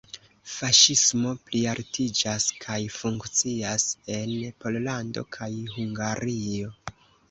Faŝismo plialtiĝas kaj funkcias en Pollando kaj Hungario.